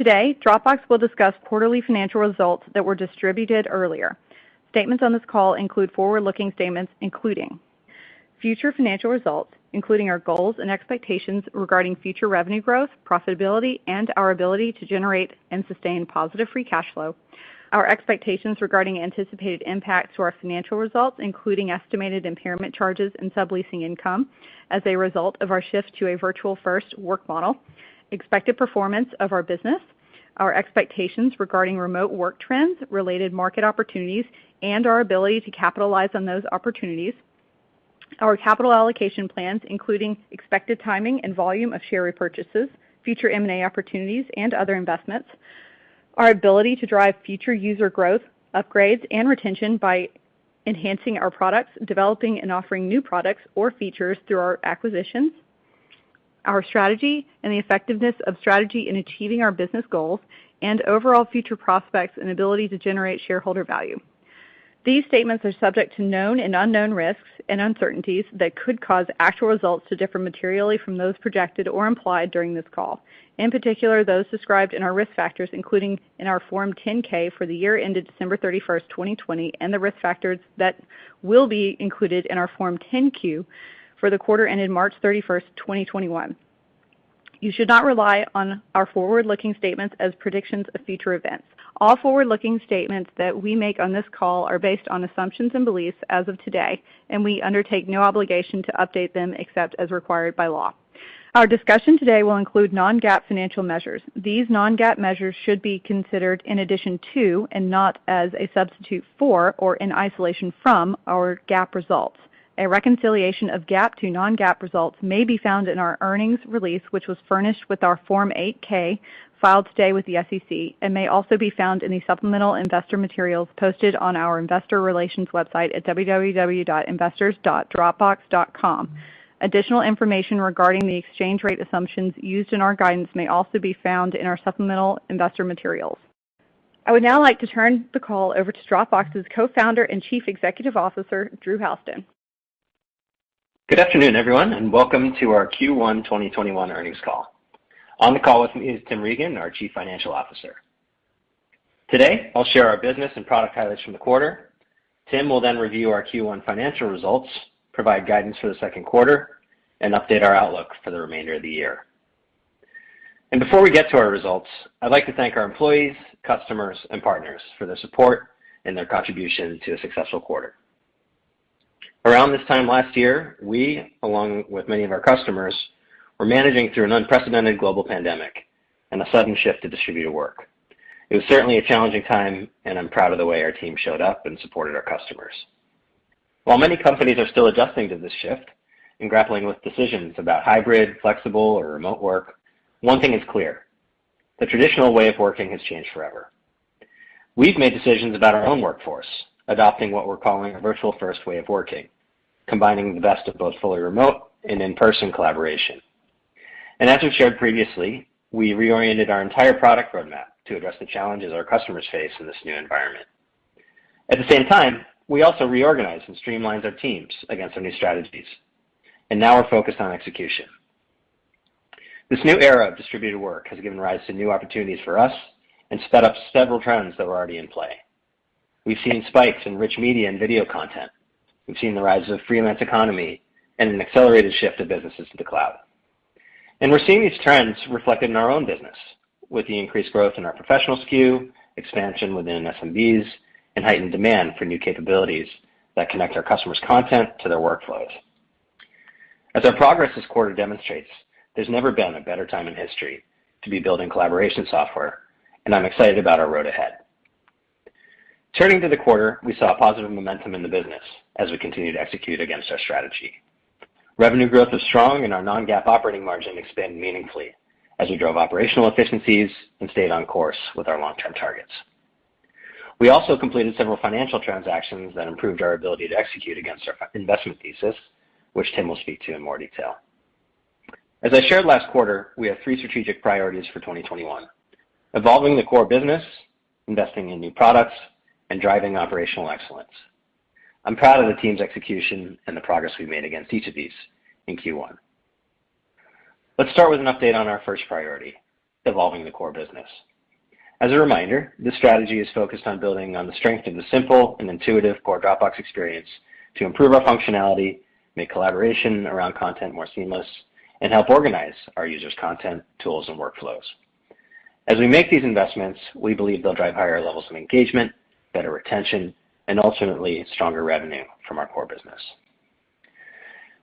Today, Dropbox will discuss quarterly financial results that were distributed earlier. Statements on this call include forward-looking statements, including future financial results, including our goals and expectations regarding future revenue growth, profitability, and our ability to generate and sustain positive free cash flow. Our expectations regarding anticipated impacts to our financial results, including estimated impairment charges and subleasing income as a result of our shift to a Virtual First work model, expected performance of our business, our expectations regarding remote work trends, related market opportunities, and our ability to capitalize on those opportunities, our capital allocation plans, including expected timing and volume of share repurchases, future M&A opportunities and other investments, our ability to drive future user growth, upgrades, and retention by enhancing our products, developing and offering new products or features through our acquisitions, our strategy and the effectiveness of strategy in achieving our business goals, and overall future prospects and ability to generate shareholder value. These statements are subject to known and unknown risks and uncertainties that could cause actual results to differ materially from those projected or implied during this call, in particular those described in our risk factors, including in our Form 10-K for the year ended December 31st, 2020, and the risk factors that will be included in our Form 10-Q for the quarter ended March 31st 2021. You should not rely on our forward-looking statements as predictions of future events. All forward-looking statements that we make on this call are based on assumptions and beliefs as of today, and we undertake no obligation to update them except as required by law. Our discussion today will include non-GAAP financial measures. These non-GAAP measures should be considered in addition to, and not as a substitute for, or in isolation from, our GAAP results. A reconciliation of GAAP to non-GAAP results may be found in our earnings release, which was furnished with our Form 8-K filed today with the SEC, and may also be found in the supplemental investor materials posted on our investor relations website at www.investors.dropbox.com. Additional information regarding the exchange rate assumptions used in our guidance may also be found in our supplemental investor materials. I would now like to turn the call over to Dropbox's Co-founder and Chief Executive Officer, Drew Houston. Good afternoon, everyone. Welcome to our Q1 2021 earnings call. On the call with me is Tim Regan, our Chief Financial Officer. Today, I'll share our business and product highlights from the quarter. Tim will review our Q1 financial results, provide guidance for the second quarter, and update our outlook for the remainder of the year. Before we get to our results, I'd like to thank our employees, customers, and partners for their support and their contribution to a successful quarter. Around this time last year, we, along with many of our customers, were managing through an unprecedented global pandemic and a sudden shift to distributed work. It was certainly a challenging time. I'm proud of the way our team showed up and supported our customers. While many companies are still adjusting to this shift and grappling with decisions about hybrid, flexible, or remote work, one thing is clear. The traditional way of working has changed forever. We've made decisions about our own workforce, adopting what we're calling a Virtual First way of working, combining the best of both fully remote and in-person collaboration. As we've shared previously, we reoriented our entire product roadmap to address the challenges our customers face in this new environment. At the same time, we also reorganized and streamlined our teams against our new strategies, and now we're focused on execution. This new era of distributed work has given rise to new opportunities for us and sped up several trends that were already in play. We've seen spikes in rich media and video content. We've seen the rise of freelance economy and an accelerated shift of businesses to the cloud. We're seeing these trends reflected in our own business with the increased growth in our professional SKU, expansion within SMBs, and heightened demand for new capabilities that connect our customers' content to their workflows. As our progress this quarter demonstrates, there's never been a better time in history to be building collaboration software, and I'm excited about our road ahead. Turning to the quarter, we saw positive momentum in the business as we continue to execute against our strategy. Revenue growth is strong, and our non-GAAP operating margin expanded meaningfully as we drove operational efficiencies and stayed on course with our long-term targets. We also completed several financial transactions that improved our ability to execute against our investment thesis, which Tim will speak to in more detail. As I shared last quarter, we have three strategic priorities for 2021, evolving the core business, investing in new products, and driving operational excellence. I'm proud of the team's execution and the progress we've made against each of these in Q1. Let's start with an update on our first priority, evolving the core business. As a reminder, this strategy is focused on building on the strength of the simple and intuitive core Dropbox experience to improve our functionality, make collaboration around content more seamless, and help organize our users' content, tools, and workflows. As we make these investments, we believe they'll drive higher levels of engagement, better retention, and ultimately stronger revenue from our core business.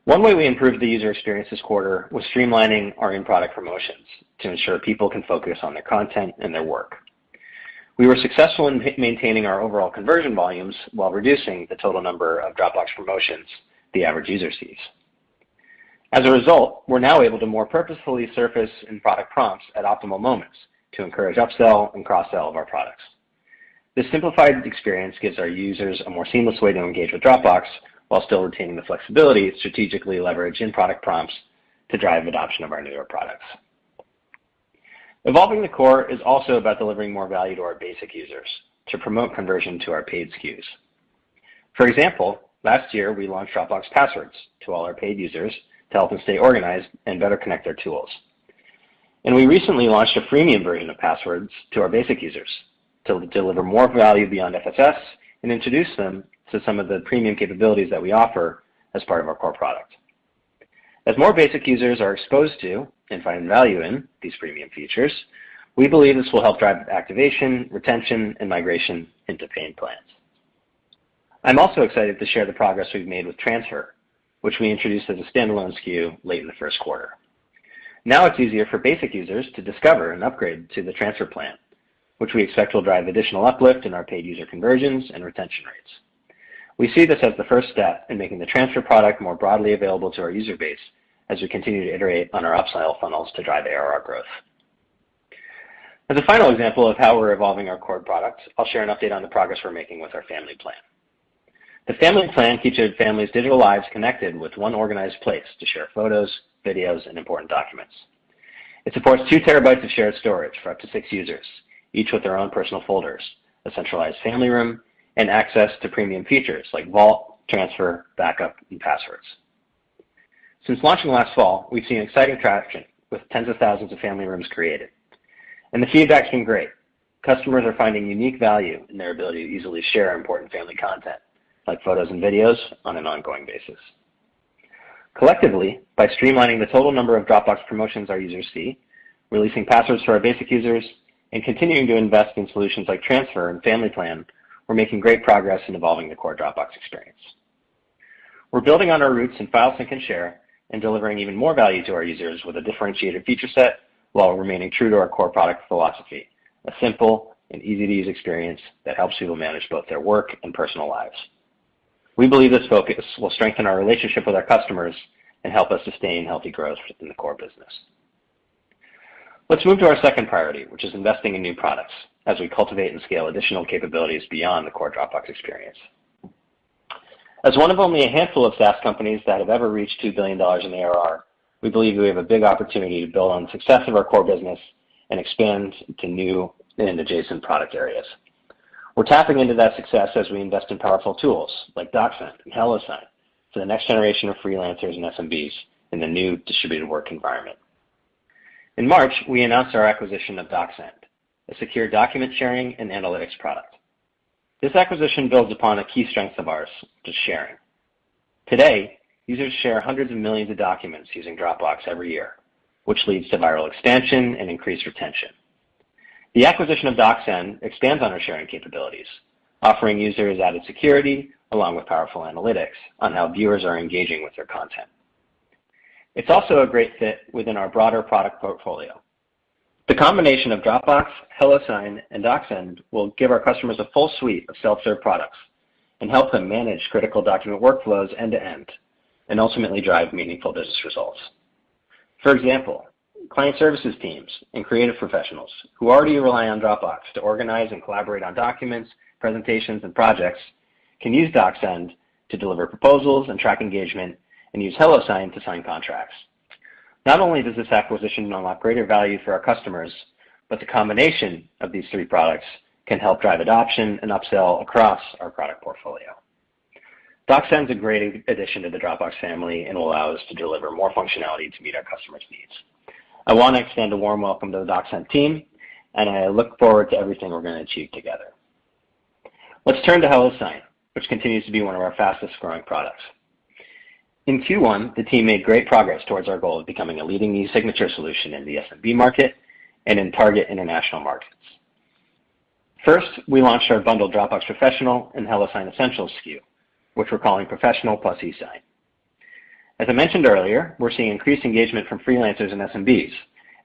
One way we improved the user experience this quarter was streamlining our in-product promotions to ensure people can focus on their content and their work. We were successful in maintaining our overall conversion volumes while reducing the total number of Dropbox promotions the average user sees. As a result, we're now able to more purposefully surface in-product prompts at optimal moments to encourage upsell and cross-sell of our products. This simplified experience gives our users a more seamless way to engage with Dropbox while still retaining the flexibility to strategically leverage in-product prompts to drive adoption of our newer products. Evolving the core is also about delivering more value to our basic users to promote conversion to our paid SKUs. For example, last year, we launched Dropbox Passwords to all our paid users to help them stay organized and better connect their tools. We recently launched a freemium version of Passwords to our basic users to deliver more value beyond FSS and introduce them to some of the premium capabilities that we offer as part of our core product. As more basic users are exposed to and find value in these freemium features, we believe this will help drive activation, retention, and migration into paid plans. I'm also excited to share the progress we've made with Transfer, which we introduced as a standalone SKU late in the first quarter. Now it's easier for basic users to discover and upgrade to the Transfer plan, which we expect will drive additional uplift in our paid user conversions and retention rates. We see this as the first step in making the Transfer product more broadly available to our user base as we continue to iterate on our upsell funnels to drive ARR growth. As a final example of how we're evolving our core products, I'll share an update on the progress we're making with our Family plan. The Family plan keeps families' digital lives connected with one organized place to share photos, videos, and important documents. It supports 2 TB of shared storage for up to six users, each with their own personal folders, a centralized family room, and access to premium features like Vault, Transfer, Backup, and Passwords. Since launching last fall, we've seen exciting traction with tens of thousands of family rooms created. The feedback's been great. Customers are finding unique value in their ability to easily share important family content, like photos and videos, on an ongoing basis. Collectively, by streamlining the total number of Dropbox promotions our users see, releasing Passwords for our basic users, and continuing to invest in solutions like Transfer and Family plan, we're making great progress in evolving the core Dropbox experience. We're building on our roots in File Sync and Share and delivering even more value to our users with a differentiated feature set while remaining true to our core product philosophy, a simple and easy-to-use experience that helps people manage both their work and personal lives. We believe this focus will strengthen our relationship with our customers and help us sustain healthy growth within the core business. Let's move to our second priority, which is investing in new products as we cultivate and scale additional capabilities beyond the core Dropbox experience. As one of only a handful of SaaS companies that have ever reached $2 billion in ARR, we believe we have a big opportunity to build on the success of our core business and expand into new and adjacent product areas. We're tapping into that success as we invest in powerful tools like DocSend and HelloSign for the next generation of freelancers and SMBs in the new distributed work environment. In March, we announced our acquisition of DocSend, a secure document sharing and analytics product. This acquisition builds upon a key strength of ours, which is sharing. Today, users share hundreds of millions of documents using Dropbox every year, which leads to viral expansion and increased retention. The acquisition of DocSend expands on our sharing capabilities, offering users added security along with powerful analytics on how viewers are engaging with their content. It's also a great fit within our broader product portfolio. The combination of Dropbox, HelloSign, and DocSend will give our customers a full suite of self-serve products and help them manage critical document workflows end to end, and ultimately drive meaningful business results. For example, client services teams and creative professionals who already rely on Dropbox to organize and collaborate on documents, presentations, and projects can use DocSend to deliver proposals and track engagement and use HelloSign to sign contracts. Not only does this acquisition unlock greater value for our customers, but the combination of these three products can help drive adoption and upsell across our product portfolio. DocSend's a great addition to the Dropbox Family and will allow us to deliver more functionality to meet our customers' needs. I want to extend a warm welcome to the DocSend team, and I look forward to everything we're going to achieve together. Let's turn to HelloSign, which continues to be one of our fastest-growing products. In Q1, the team made great progress towards our goal of becoming a leading e-signature solution in the SMB market and in target international markets. First, we launched our bundled Dropbox Professional and HelloSign Essentials SKU, which we're calling Professional Plus eSign. As I mentioned earlier, we're seeing increased engagement from freelancers and SMBs,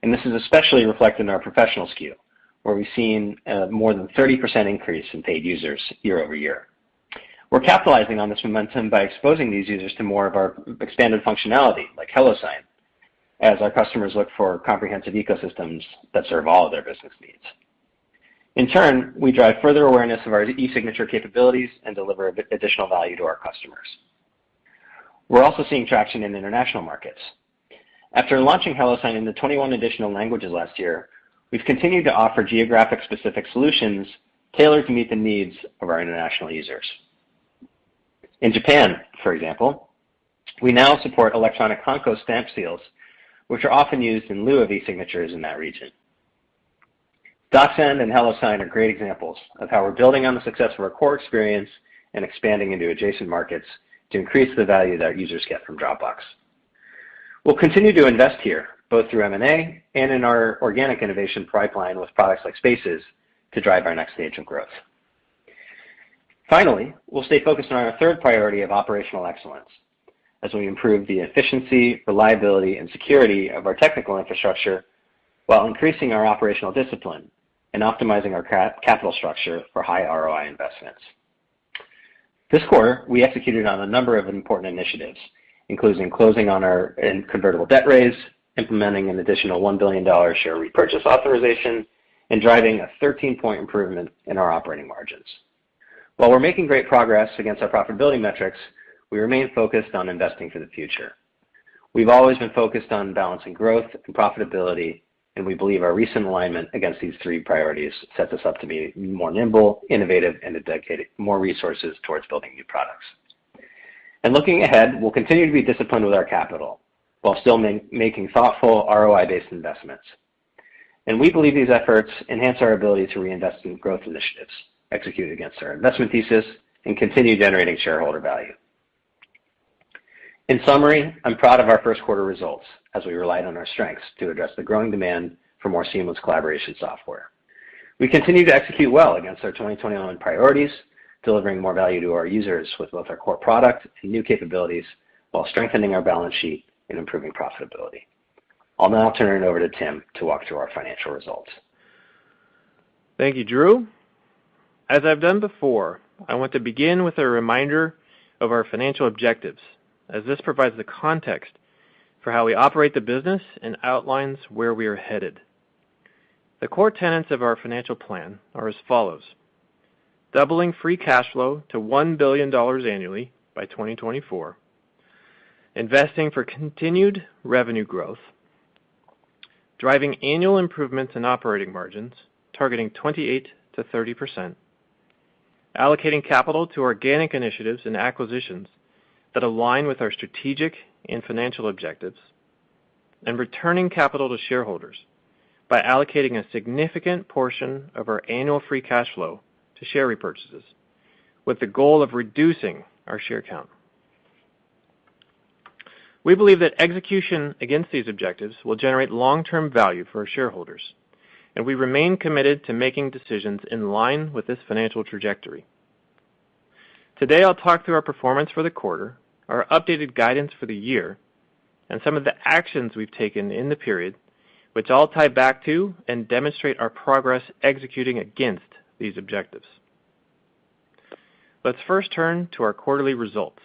and this is especially reflected in our Professional SKU, where we've seen more than a 30% increase in paid users year-over-year. We're capitalizing on this momentum by exposing these users to more of our expanded functionality, like HelloSign, as our customers look for comprehensive ecosystems that serve all of their business needs. In turn, we drive further awareness of our e-signature capabilities and deliver additional value to our customers. We're also seeing traction in international markets. After launching HelloSign into 21 additional languages last year, we've continued to offer geographic-specific solutions tailored to meet the needs of our international users. In Japan, for example, we now support electronic hanko stamp seals, which are often used in lieu of e-signatures in that region. DocSend and HelloSign are great examples of how we're building on the success of our core experience and expanding into adjacent markets to increase the value that our users get from Dropbox. We'll continue to invest here, both through M&A and in our organic innovation pipeline with products like Spaces to drive our next stage of growth. Finally, we'll stay focused on our third priority of operational excellence as we improve the efficiency, reliability, and security of our technical infrastructure while increasing our operational discipline and optimizing our capital structure for high ROI investments. This quarter, we executed on a number of important initiatives, including closing on our convertible debt raise, implementing an additional $1 billion share repurchase authorization, and driving a 13-point improvement in our operating margins. While we're making great progress against our profitability metrics, we remain focused on investing for the future. We've always been focused on balancing growth and profitability, and we believe our recent alignment against these three priorities sets us up to be more nimble, innovative, and to dedicate more resources towards building new products. Looking ahead, we'll continue to be disciplined with our capital while still making thoughtful ROI-based investments. We believe these efforts enhance our ability to reinvest in growth initiatives, execute against our investment thesis, and continue generating shareholder value. In summary, I'm proud of our first quarter results as we relied on our strengths to address the growing demand for more seamless collaboration software. We continue to execute well against our 2021 priorities, delivering more value to our users with both our core product and new capabilities, while strengthening our balance sheet and improving profitability. I'll now turn it over to Tim to walk through our financial results. Thank you, Drew. As I've done before, I want to begin with a reminder of our financial objectives, as this provides the context for how we operate the business and outlines where we are headed. The core tenets of our financial plan are as follows: doubling free cash flow to $1 billion annually by 2024, investing for continued revenue growth, driving annual improvements in operating margins targeting 28%-30%, allocating capital to organic initiatives and acquisitions that align with our strategic and financial objectives, and returning capital to shareholders by allocating a significant portion of our annual free cash flow to share repurchases with the goal of reducing our share count. We believe that execution against these objectives will generate long-term value for our shareholders, and we remain committed to making decisions in line with this financial trajectory. Today, I'll talk through our performance for the quarter, our updated guidance for the year, and some of the actions we've taken in the period, which all tie back to and demonstrate our progress executing against these objectives. Let's first turn to our quarterly results.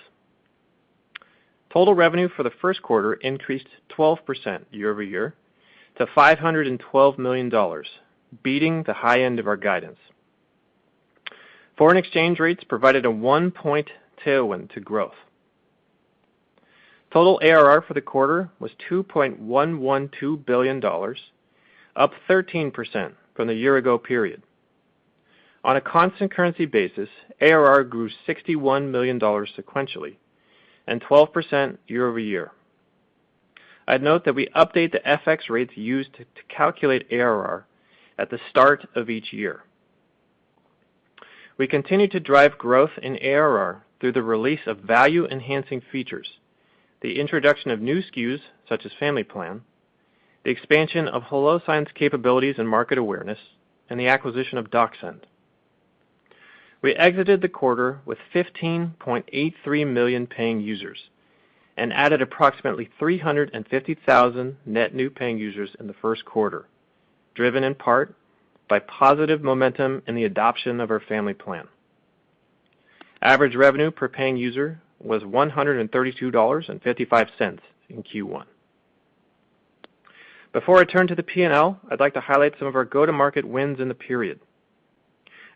Total revenue for the first quarter increased 12% year-over-year to $512 million, beating the high end of our guidance. Foreign exchange rates provided a one-point tailwind to growth. Total ARR for the quarter was $2.112 billion, up 13% from the year ago period. On a constant currency basis, ARR grew $61 million sequentially and 12% year-over-year. I'd note that we update the FX rates used to calculate ARR at the start of each year. We continue to drive growth in ARR through the release of value-enhancing features, the introduction of new SKUs, such as Family Plan, the expansion of HelloSign's capabilities and market awareness, and the acquisition of DocSend. We exited the quarter with 15.83 million paying users and added approximately 350,000 net new paying users in the first quarter, driven in part by positive momentum in the adoption of our Family Plan. Average revenue per paying user was $132.55 in Q1. Before I turn to the P&L, I'd like to highlight some of our go-to-market wins in the period.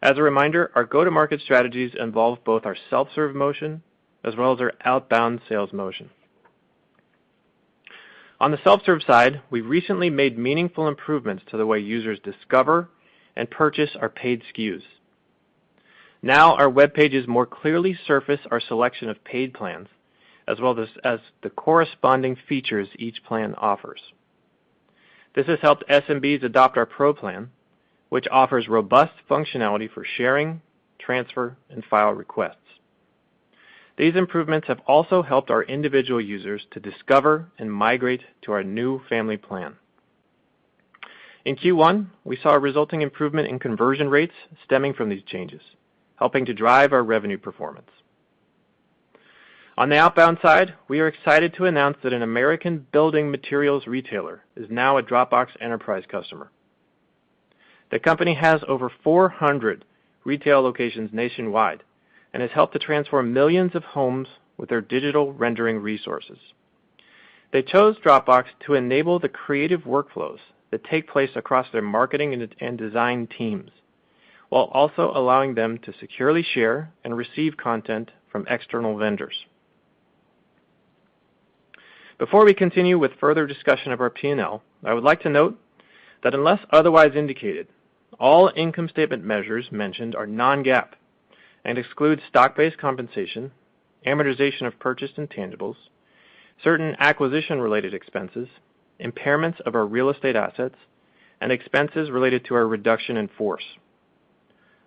As a reminder, our go-to-market strategies involve both our self-serve motion as well as our outbound sales motion. On the self-serve side, we recently made meaningful improvements to the way users discover and purchase our paid SKUs. Now, our web pages more clearly surface our selection of paid plans, as well as the corresponding features each plan offers. This has helped SMBs adopt our Pro plan, which offers robust functionality for sharing, transfer, and file requests. These improvements have also helped our individual users to discover and migrate to our new Dropbox Family. In Q1, we saw a resulting improvement in conversion rates stemming from these changes, helping to drive our revenue performance. On the outbound side, we are excited to announce that an American building materials retailer is now a Dropbox enterprise customer. The company has over 400 retail locations nationwide and has helped to transform millions of homes with their digital rendering resources. They chose Dropbox to enable the creative workflows that take place across their marketing and design teams, while also allowing them to securely share and receive content from external vendors. Before we continue with further discussion of our P&L, I would like to note that unless otherwise indicated, all income statement measures mentioned are non-GAAP and exclude stock-based compensation, amortization of purchased intangibles, certain acquisition-related expenses, impairments of our real estate assets, and expenses related to our reduction in force.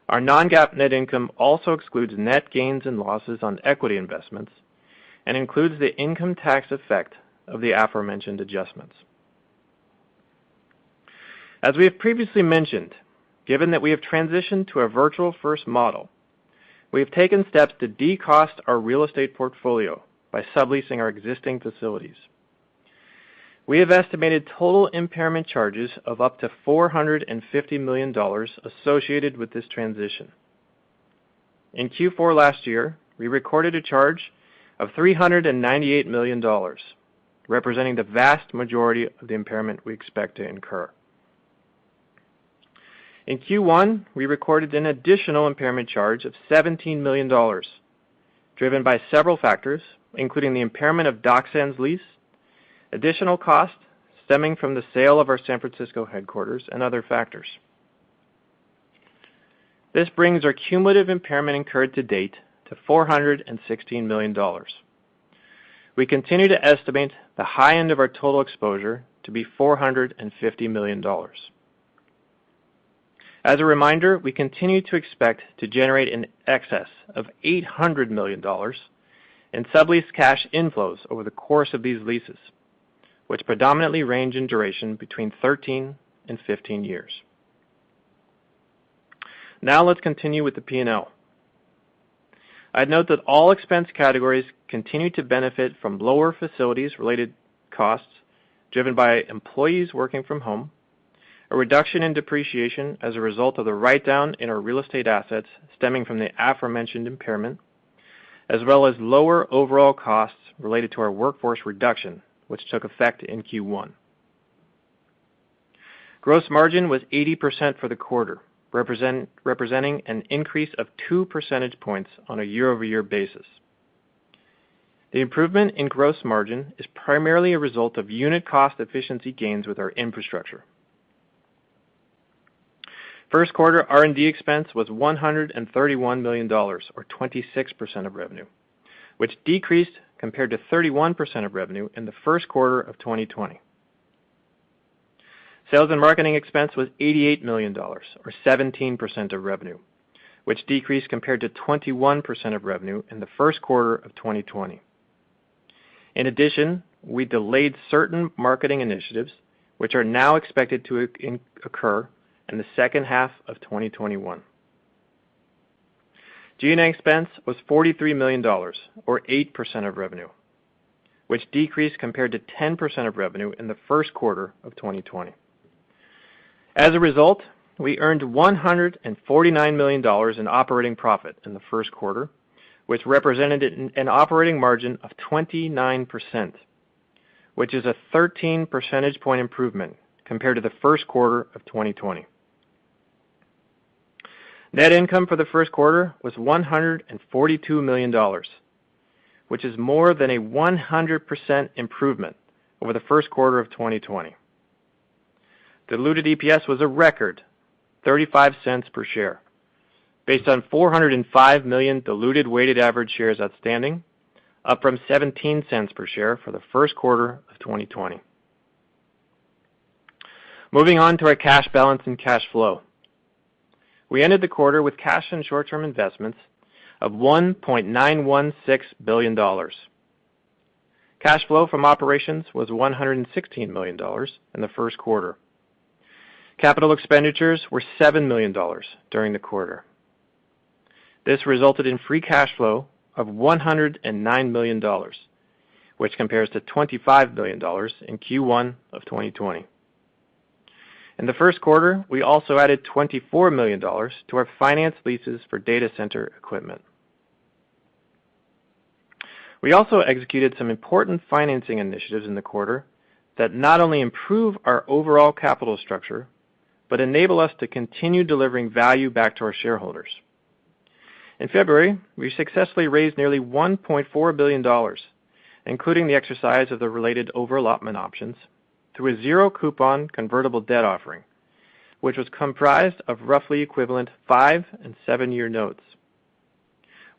Our non-GAAP net income also excludes net gains and losses on equity investments and includes the income tax effect of the aforementioned adjustments. As we have previously mentioned, given that we have transitioned to a Virtual First model, we have taken steps to de-cost our real estate portfolio by subleasing our existing facilities. We have estimated total impairment charges of up to $450 million associated with this transition. In Q4 last year, we recorded a charge of $398 million, representing the vast majority of the impairment we expect to incur. In Q1, we recorded an additional impairment charge of $17 million, driven by several factors, including the impairment of DocSend's lease, additional costs stemming from the sale of our San Francisco headquarters, and other factors. This brings our cumulative impairment incurred to date to $416 million. We continue to estimate the high end of our total exposure to be $450 million. As a reminder, we continue to expect to generate in excess of $800 million in sublease cash inflows over the course of these leases, which predominantly range in duration between 13 and 15 years. Let's continue with the P&L. I'd note that all expense categories continue to benefit from lower facilities-related costs driven by employees working from home, a reduction in depreciation as a result of the write-down in our real estate assets stemming from the aforementioned impairment, as well as lower overall costs related to our workforce reduction, which took effect in Q1. Gross margin was 80% for the quarter, representing an increase of two percentage points on a year-over-year basis. The improvement in gross margin is primarily a result of unit cost efficiency gains with our infrastructure. First quarter R&D expense was $131 million, or 26% of revenue, which decreased compared to 31% of revenue in the first quarter of 2020. Sales and marketing expense was $88 million, or 17% of revenue, which decreased compared to 21% of revenue in the first quarter of 2020. In addition, we delayed certain marketing initiatives, which are now expected to occur in the second half of 2021. G&A expense was $43 million, or 8% of revenue, which decreased compared to 10% of revenue in the first quarter of 2020. As a result, we earned $149 million in operating profit in the first quarter, which represented an operating margin of 29%, which is a 13 percentage point improvement compared to the first quarter of 2020. Net income for the first quarter was $142 million, which is more than a 100% improvement over the first quarter of 2020. Diluted EPS was a record $0.35 per share based on 405 million diluted weighted average shares outstanding, up from $0.17 per share for the first quarter of 2020. Moving on to our cash balance and cash flow. We ended the quarter with cash and short-term investments of $1.916 billion. Cash flow from operations was $116 million in the first quarter. Capital expenditures were $7 million during the quarter. This resulted in free cash flow of $109 million, which compares to $25 million in Q1 of 2020. In the first quarter, we also added $24 million to our financed leases for data center equipment. We also executed some important financing initiatives in the quarter that not only improve our overall capital structure, but enable us to continue delivering value back to our shareholders. In February, we successfully raised nearly $1.4 billion, including the exercise of the related over-allotment options, through a zero-coupon convertible debt offering, which was comprised of roughly equivalent five and seven-year notes.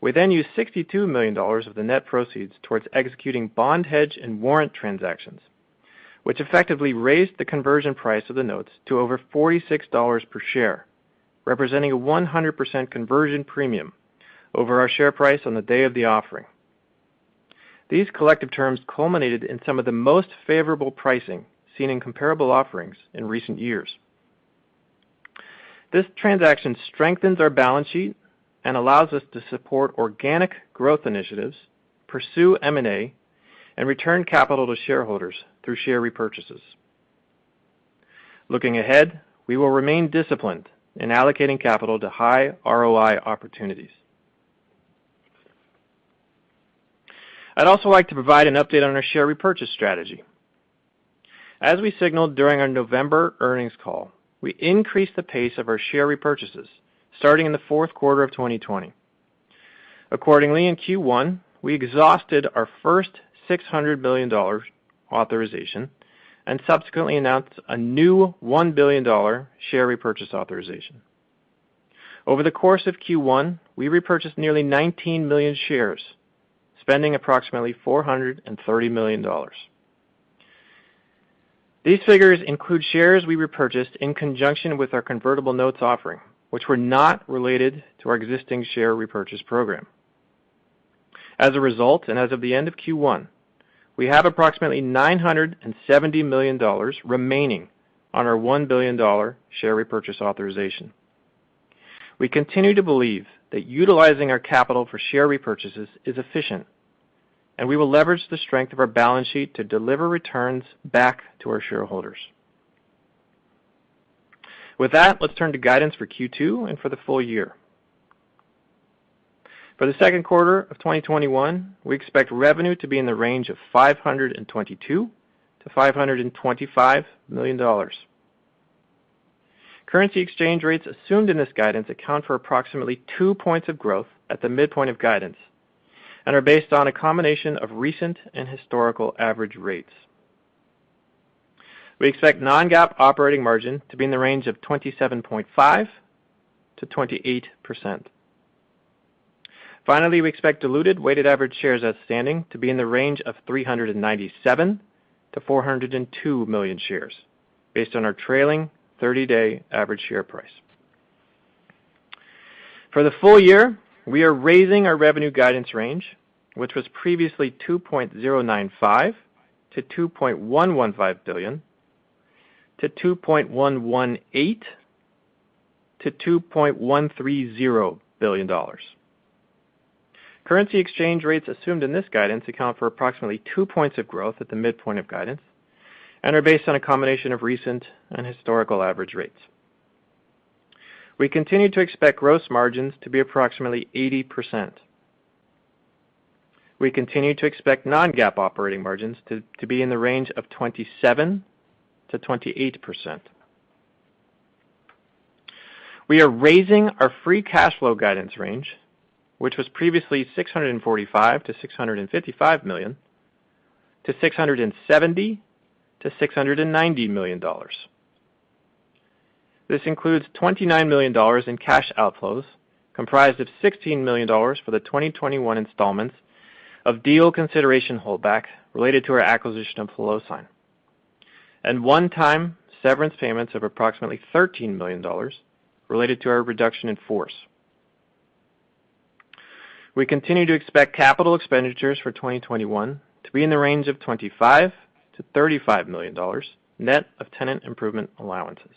We then used $62 million of the net proceeds towards executing bond hedge and warrant transactions, which effectively raised the conversion price of the notes to over $46 per share, representing a 100% conversion premium over our share price on the day of the offering. These collective terms culminated in some of the most favorable pricing seen in comparable offerings in recent years. This transaction strengthens our balance sheet and allows us to support organic growth initiatives, pursue M&A, and return capital to shareholders through share repurchases. Looking ahead, we will remain disciplined in allocating capital to high ROI opportunities. I'd also like to provide an update on our share repurchase strategy. As we signaled during our November earnings call, we increased the pace of our share repurchases starting in the fourth quarter of 2020. Accordingly, in Q1, we exhausted our first $600 million authorization and subsequently announced a new $1 billion share repurchase authorization. Over the course of Q1, we repurchased nearly 19 million shares, spending approximately $430 million. These figures include shares we repurchased in conjunction with our convertible notes offering, which were not related to our existing share repurchase program. As a result, and as of the end of Q1, we have approximately $970 million remaining on our $1 billion share repurchase authorization. We continue to believe that utilizing our capital for share repurchases is efficient, and we will leverage the strength of our balance sheet to deliver returns back to our shareholders. With that, let's turn to guidance for Q2 and for the full year. For the second quarter of 2021, we expect revenue to be in the range of $522 million-$525 million. Currency exchange rates assumed in this guidance account for approximately two points of growth at the midpoint of guidance and are based on a combination of recent and historical average rates. We expect non-GAAP operating margin to be in the range of 27.5%-28%. Finally, we expect diluted weighted average shares outstanding to be in the range of 397 million-402 million shares based on our trailing 30-day average share price. For the full year, we are raising our revenue guidance range, which was previously $2.095 billion-$2.115 billion, to $2.118 billion-$2.130 billion. Currency exchange rates assumed in this guidance account for approximately two points of growth at the midpoint of guidance and are based on a combination of recent and historical average rates. We continue to expect gross margins to be approximately 80%. We continue to expect non-GAAP operating margins to be in the range of 27%-28%. We are raising our free cash flow guidance range, which was previously $645 million-$655 million, to $670 million-$690 million. This includes $29 million in cash outflows, comprised of $16 million for the 2021 installments of deal consideration holdback related to our acquisition of HelloSign and one-time severance payments of approximately $13 million related to our reduction in force. We continue to expect capital expenditures for 2021 to be in the range of $25 million-$35 million, net of tenant improvement allowances.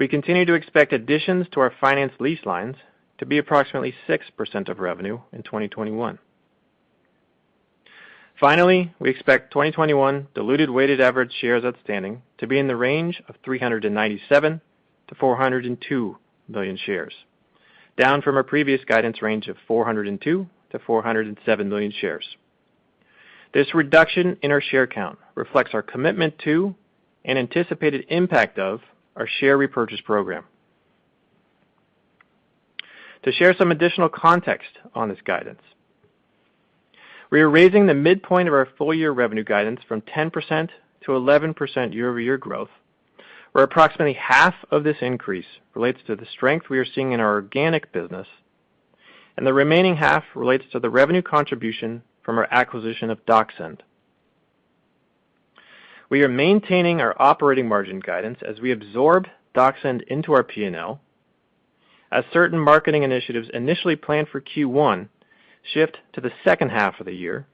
We continue to expect additions to our finance lease lines to be approximately 6% of revenue in 2021. Finally, we expect 2021 diluted weighted average shares outstanding to be in the range of 397 million-402 million shares, down from our previous guidance range of 402 million-407 million shares. This reduction in our share count reflects our commitment to, and anticipated impact of, our share repurchase program. To share some additional context on this guidance, we are raising the midpoint of our full year revenue guidance from 10% to 11% year-over-year growth, where approximately half of this increase relates to the strength we are seeing in our organic business and the remaining half relates to the revenue contribution from our acquisition of DocSend. We are maintaining our operating margin guidance as we absorb DocSend into our P&L, as certain marketing initiatives initially planned for Q1 shift to the second half of the year,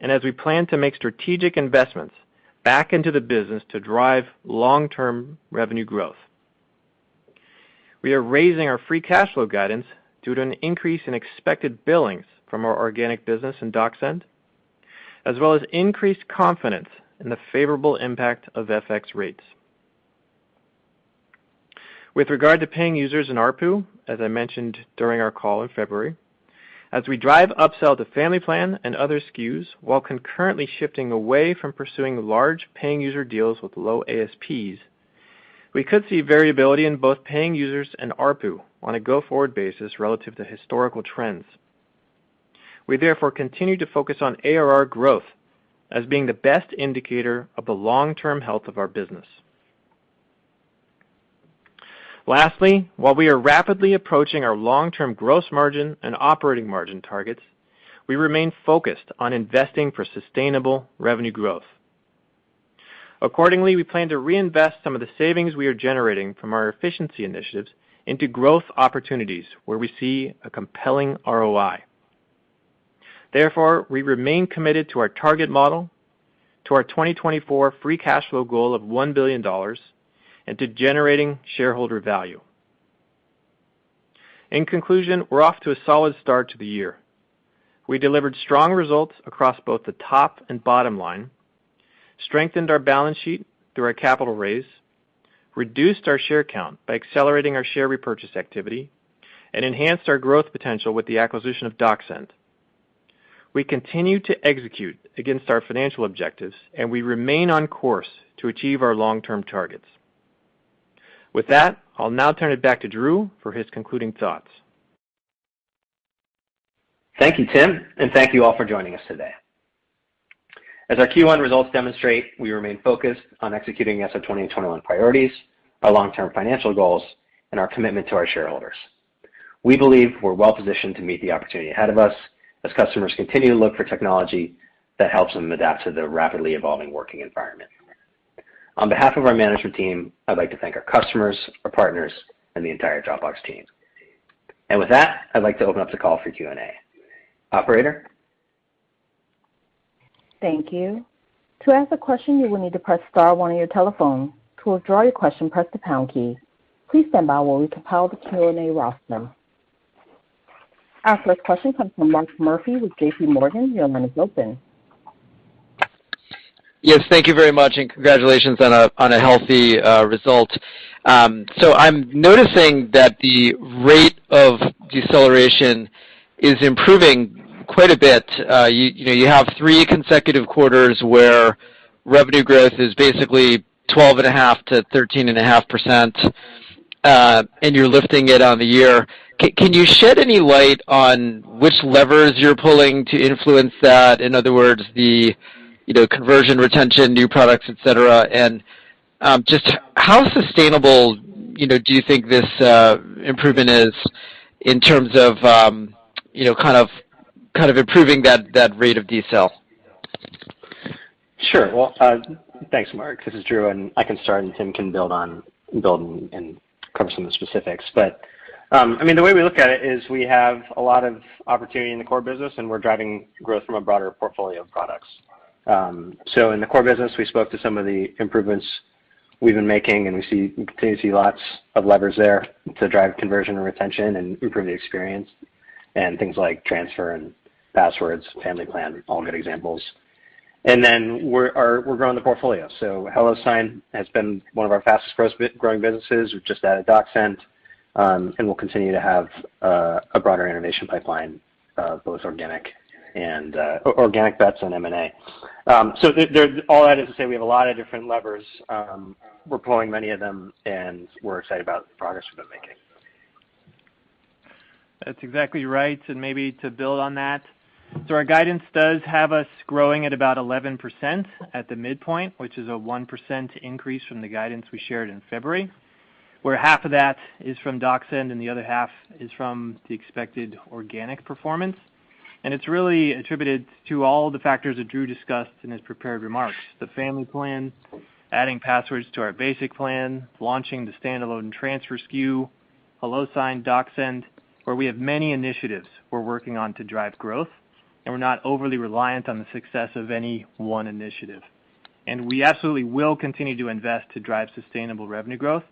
and as we plan to make strategic investments back into the business to drive long-term revenue growth. We are raising our free cash flow guidance due to an increase in expected billings from our organic business in DocSend, as well as increased confidence in the favorable impact of FX rates. With regard to paying users and ARPU, as I mentioned during our call in February, as we drive upsell to Family plan and other SKUs while concurrently shifting away from pursuing large paying user deals with low ASPs, we could see variability in both paying users and ARPU on a go-forward basis relative to historical trends. We therefore continue to focus on ARR growth as being the best indicator of the long-term health of our business. Lastly, while we are rapidly approaching our long-term gross margin and operating margin targets, we remain focused on investing for sustainable revenue growth. Accordingly, we plan to reinvest some of the savings we are generating from our efficiency initiatives into growth opportunities where we see a compelling ROI. Therefore, we remain committed to our target model, to our 2024 free cash flow goal of $1 billion, and to generating shareholder value. In conclusion, we're off to a solid start to the year. We delivered strong results across both the top and bottom line, strengthened our balance sheet through our capital raise, reduced our share count by accelerating our share repurchase activity, and enhanced our growth potential with the acquisition of DocSend. We continue to execute against our financial objectives, and we remain on course to achieve our long-term targets. With that, I'll now turn it back to Drew for his concluding thoughts. Thank you, Tim, and thank you all for joining us today. As our Q1 results demonstrate, we remain focused on executing our 2021 priorities, our long-term financial goals, and our commitment to our shareholders. We believe we're well positioned to meet the opportunity ahead of us as customers continue to look for technology that helps them adapt to the rapidly evolving working environment. On behalf of our management team, I'd like to thank our customers, our partners, and the entire Dropbox team. With that, I'd like to open up the call for Q&A. Operator? Thank you. To ask a question, you will need to press star one on your telephone. To withdraw your question, press the pound key. Please stand by while we compile the Q&A roster. Our first question comes from Mark Murphy with JPMorgan. Your line is open. Yes, thank you very much. Congratulations on a healthy result. I'm noticing that the rate of deceleration is improving quite a bit. You have three consecutive quarters where revenue growth is basically 12.5%-13.5%. You're lifting it on the year. Can you shed any light on which levers you're pulling to influence that? In other words, the conversion, retention, new products, et cetera. Just how sustainable do you think this improvement is in terms of improving that rate of decel? Sure. Well, thanks, Mark. This is Drew, and I can start, and Tim can build and cover some of the specifics. The way we look at it is we have a lot of opportunity in the core business, and we're driving growth from a broader portfolio of products. In the core business, we spoke to some of the improvements we've been making, and we continue to see lots of levers there to drive conversion and retention and improve the experience. Things like Dropbox Transfer and Dropbox Passwords, Dropbox Family, all good examples. We're growing the portfolio. HelloSign has been one of our fastest-growing businesses. We've just added DocSend, and we'll continue to have a broader innovation pipeline, both organic bets and M&A. All that is to say, we have a lot of different levers. We're pulling many of them, and we're excited about the progress we've been making. That's exactly right. Maybe to build on that, our guidance does have us growing at about 11% at the midpoint, which is a 1% increase from the guidance we shared in February, where half of that is from DocSend and the other half is from the expected organic performance. It's really attributed to all the factors that Drew discussed in his prepared remarks, the family plan, adding passwords to our basic plan, launching the standalone transfer SKU, HelloSign, DocSend, where we have many initiatives we're working on to drive growth, and we're not overly reliant on the success of any one initiative. We absolutely will continue to invest to drive sustainable revenue growth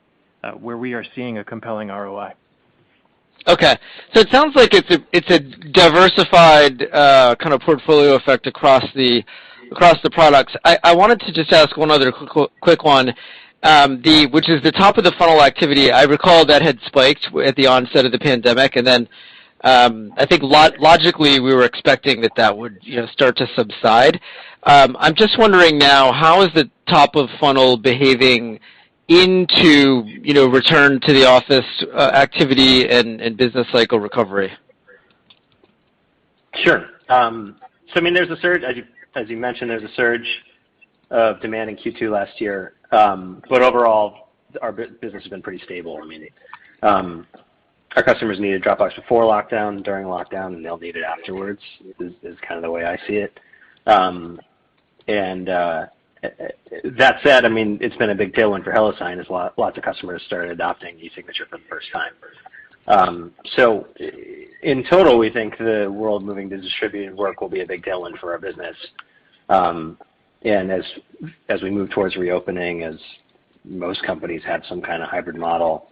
where we are seeing a compelling ROI. Okay. It sounds like it's a diversified kind of portfolio effect across the products. I wanted to just ask one other quick one, which is the top of the funnel activity. I recall that had spiked at the onset of the pandemic. I think logically, we were expecting that that would start to subside. I'm just wondering now, how is the top of funnel behaving into return to the office activity and business cycle recovery? Sure. As you mentioned, there was a surge of demand in Q2 last year. Overall, our business has been pretty stable, meaning our customers needed Dropbox before lockdown, during lockdown, and they'll need it afterwards, is kind of the way I see it. That said, it's been a big tailwind for HelloSign, as lots of customers started adopting e-signature for the first time. In total, we think the world moving to distributed work will be a big tailwind for our business. As we move towards reopening, as most companies have some kind of hybrid model,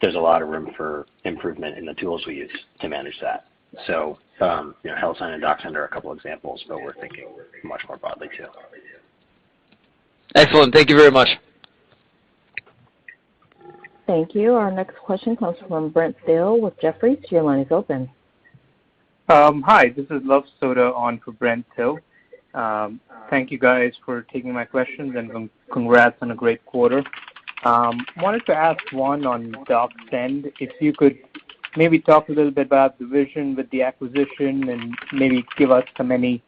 there's a lot of room for improvement in the tools we use to manage that. HelloSign and DocSend are a couple examples, but we're thinking much more broadly, too. Excellent. Thank you very much. Thank you. Our next question comes from Brent Thill with Jefferies. Your line is open. Hi, this is Luv Sodha on for Brent Thill. Thank you guys for taking my questions and congrats on a great quarter. Wanted to ask one on DocSend. If you could maybe talk a little bit about the vision with the acquisition and maybe give us any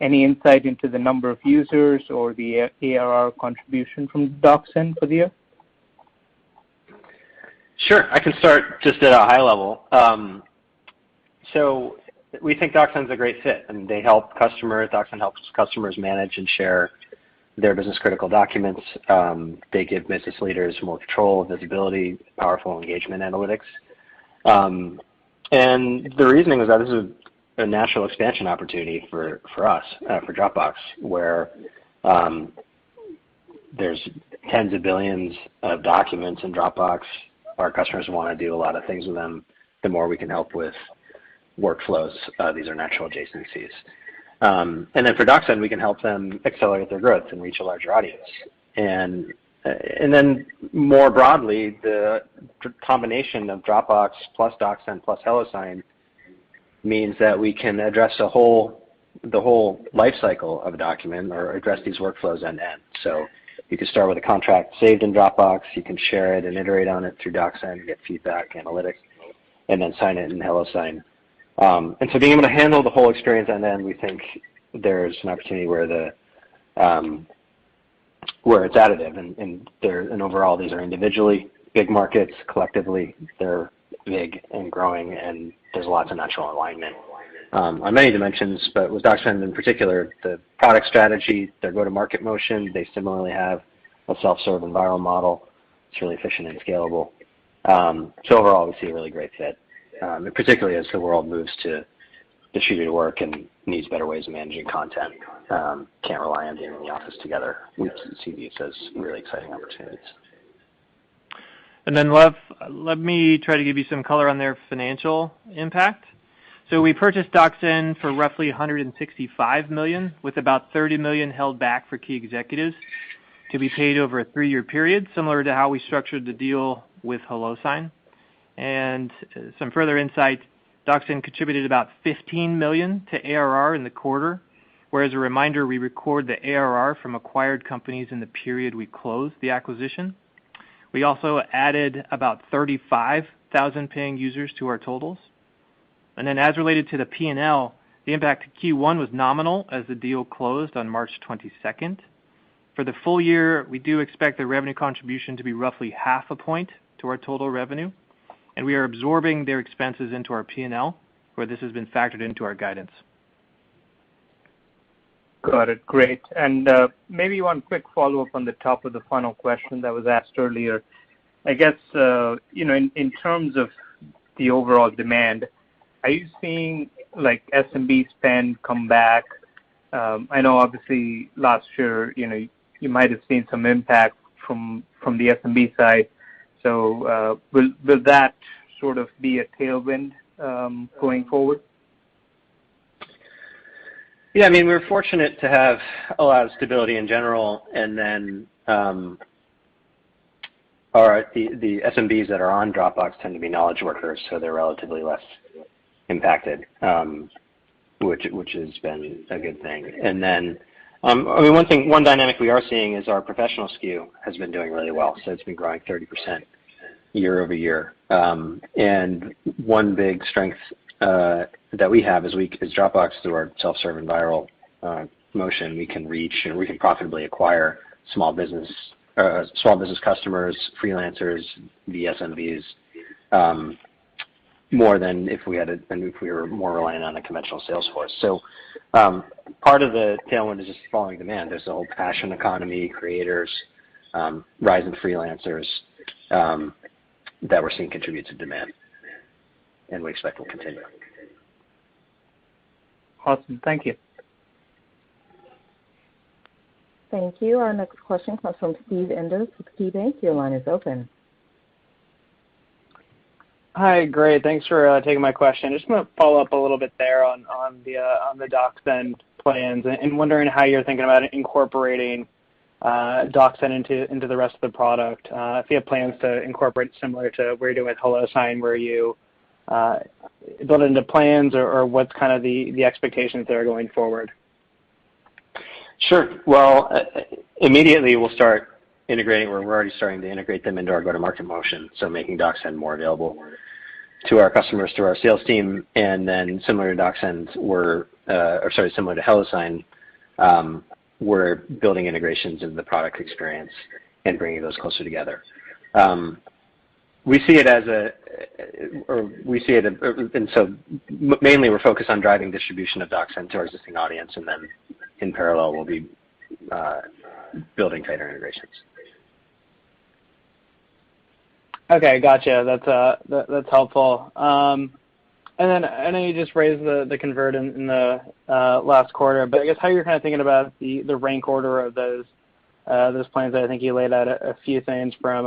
insight into the number of users or the ARR contribution from DocSend for the year? Sure. I can start just at a high level. We think DocSend's a great fit, and DocSend helps customers manage and share their business-critical documents. They give business leaders more control and visibility, powerful engagement analytics. The reasoning was that this is a natural expansion opportunity for us, for Dropbox, where there's tens of billions of documents in Dropbox. Our customers want to do a lot of things with them. The more we can help with workflows, these are natural adjacencies. Then for DocSend, we can help them accelerate their growth and reach a larger audience. Then more broadly, the combination of Dropbox plus DocSend plus HelloSign means that we can address the whole life cycle of a document or address these workflows end to end. You could start with a contract saved in Dropbox, you can share it and iterate on it through DocSend, get feedback, analytics, and then sign it in HelloSign. Being able to handle the whole experience end to end, we think there's an opportunity where it's additive, and overall, these are individually big markets. Collectively, they're big and growing, and there's lots of natural alignment on many dimensions. With DocSend in particular, the product strategy, their go-to-market motion, they similarly have a self-serve environmental model that's really efficient and scalable. Overall, we see a really great fit, particularly as the world moves to distributed work and needs better ways of managing content. Can't rely on being in the office together. We see these as really exciting opportunities. Let me try to give you some color on their financial impact. We purchased DocSend for roughly $165 million, with about $30 million held back for key executives to be paid over a three-year period, similar to how we structured the deal with HelloSign. Some further insight, DocSend contributed about $15 million to ARR in the quarter, where as a reminder, we record the ARR from acquired companies in the period we close the acquisition. We also added about 35,000 paying users to our totals. As related to the P&L, the impact to Q1 was nominal as the deal closed on March 22nd. For the full year, we do expect the revenue contribution to be roughly half a point to our total revenue, and we are absorbing their expenses into our P&L, where this has been factored into our guidance. Got it. Great. Maybe one quick follow-up on the top of the final question that was asked earlier. I guess, in terms of the overall demand, are you seeing SMB spend come back? I know obviously last year, you might have seen some impact from the SMB side. Will that sort of be a tailwind going forward? Yeah, we're fortunate to have a lot of stability in general. The SMBs that are on Dropbox tend to be knowledge workers, they're relatively less impacted, which has been a good thing. One dynamic we are seeing is our professional SKU has been doing really well. It's been growing 30% year-over-year. One big strength that we have as Dropbox, through our self-serve and viral motion, we can reach, and we can profitably acquire small business customers, freelancers, the SMBs, more than if we were more reliant on a conventional sales force. Part of the tailwind is just the following demand. There's the whole passion economy, creators, rise in freelancers that we're seeing contribute to demand, and we expect will continue. Awesome. Thank you. Thank you. Our next question comes from Steve Enders with KeyBanc. Your line is open. Hi. Great. Thanks for taking my question. I just want to follow up a little bit there on the DocSend plans, and wondering how you're thinking about incorporating DocSend into the rest of the product, if you have plans to incorporate similar to where you're doing HelloSign, where you build into plans, or what's kind of the expectations there going forward? Sure. Well, immediately we'll start integrating, or we're already starting to integrate them into our go-to-market motion, so making DocSend more available to our customers, through our sales team, and then similar to HelloSign, we're building integrations into the product experience and bringing those closer together. Mainly we're focused on driving distribution of DocSend to our existing audience, and then in parallel, we'll be building tighter integrations. Okay, got you. That is helpful. Then I know you just raised the convert in the last quarter, I guess how you are kind of thinking about the rank order of those plans. I think you laid out a few things from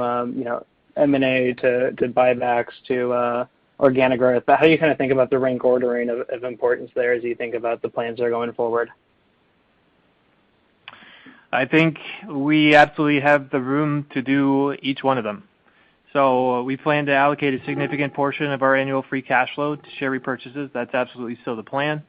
M&A to buybacks to organic growth, how are you kind of thinking about the rank ordering of importance there as you think about the plans there going forward? I think we absolutely have the room to do each one of them. We plan to allocate a significant portion of our annual free cash flow to share repurchases. That's absolutely still the plan.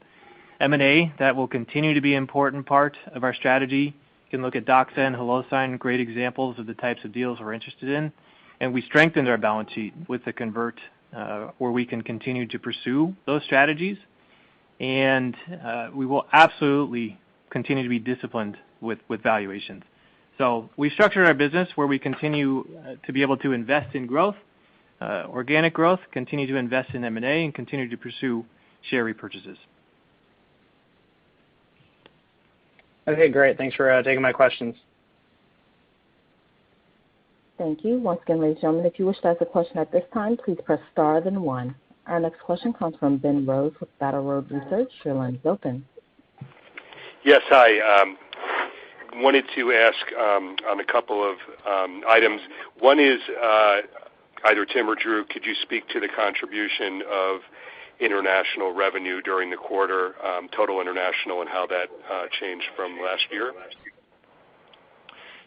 M&A, that will continue to be an important part of our strategy. You can look at DocSend, HelloSign, great examples of the types of deals we're interested in. We strengthened our balance sheet with the convert, where we can continue to pursue those strategies. We will absolutely continue to be disciplined with valuations. We structured our business where we continue to be able to invest in growth, organic growth, continue to invest in M&A, and continue to pursue share repurchases. Okay, great. Thanks for taking my questions. Thank you. Once again, ladies and gentlemen, if you wish to ask a question at this time, please press star then one. Our next question comes from Ben Rose with Battle Road Research. Your line is open. Yes. I wanted to ask on a couple of items. One is, either Tim or Drew, could you speak to the contribution of international revenue during the quarter, total international and how that changed from last year?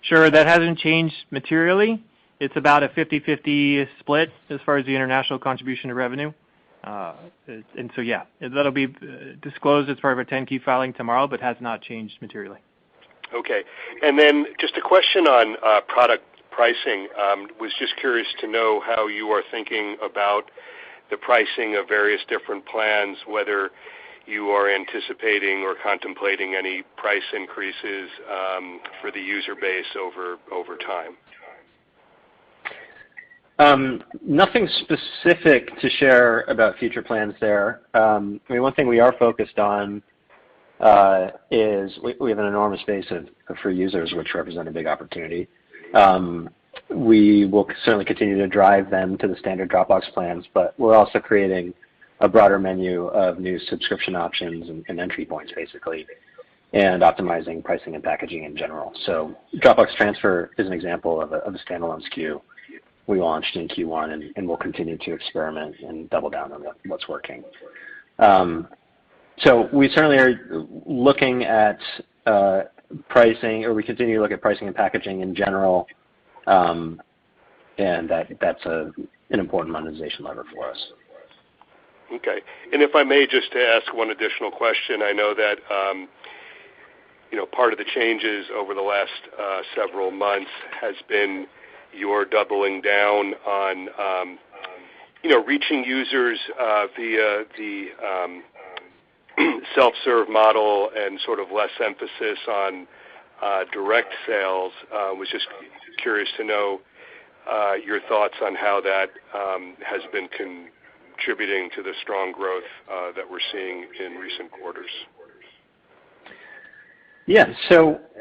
Sure. That hasn't changed materially. It's about a 50/50 split as far as the international contribution to revenue. Yeah, that'll be disclosed as part of our Form 10-Q filing tomorrow, but has not changed materially. Okay. Just a question on product pricing. Was just curious to know how you are thinking about the pricing of various different plans, whether you are anticipating or contemplating any price increases for the user base over time. Nothing specific to share about future plans there. One thing we are focused on is we have an enormous base of free users, which represent a big opportunity. We will certainly continue to drive them to the standard Dropbox plans. We're also creating a broader menu of new subscription options and entry points, basically. Optimizing pricing and packaging in general. Dropbox Transfer is an example of a standalone SKU we launched in Q1, and we'll continue to experiment and double down on what's working. We certainly are looking at pricing, or we continue to look at pricing and packaging in general, and that's an important monetization lever for us. Okay. If I may just ask one additional question. I know that part of the changes over the last several months has been your doubling down on reaching users via the self-serve model and sort of less emphasis on direct sales. I was just curious to know your thoughts on how that has been contributing to the strong growth that we're seeing in recent quarters. Yeah.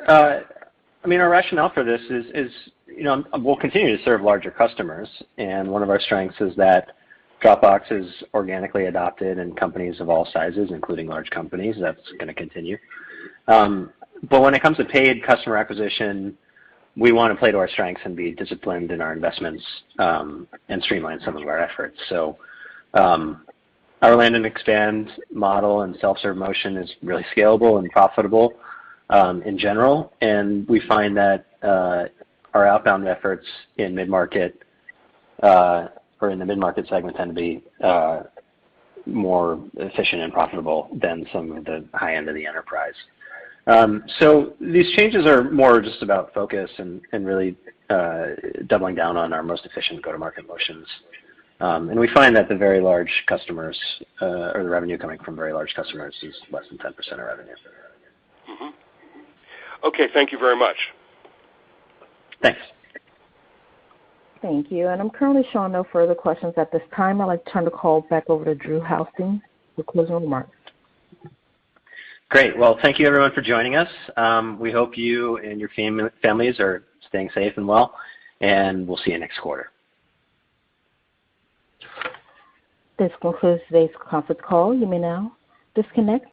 Our rationale for this is we'll continue to serve larger customers, and one of our strengths is that Dropbox is organically adopted in companies of all sizes, including large companies. That's going to continue. When it comes to paid customer acquisition, we want to play to our strengths and be disciplined in our investments, and streamline some of our efforts. Our land-and-expand model and self-serve motion is really scalable and profitable in general, and we find that our outbound efforts in mid-market or in the mid-market segment tend to be more efficient and profitable than some of the high end of the enterprise. These changes are more just about focus and really doubling down on our most efficient go-to-market motions. We find that the very large customers, or the revenue coming from very large customers, is less than 10% of revenue. Okay. Thank you very much. Thanks. Thank you. I'm currently showing no further questions at this time. I'd like to turn the call back over to Drew Houston for closing remarks. Great. Thank you everyone for joining us. We hope you and your families are staying safe and well, and we'll see you next quarter. This concludes today's conference call. You may now disconnect.